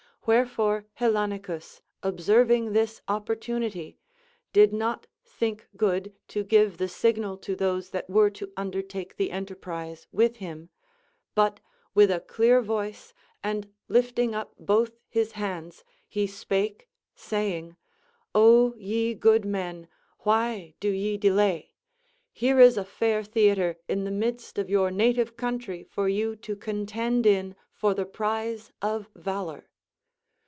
Wherefore Hellanicus, observing this opportunity, did not think good to give the signal to those that Avere to undertake the enterprise witli him, but with a clear voice and lifting up both his hands, he spake saying : Ο ye good men ! why do ye delay ? Here is a fair theatre in the midst of your native country for you to contend in for the prize of valor.